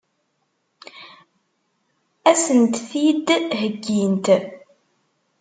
Ad sent-t-id-heggint?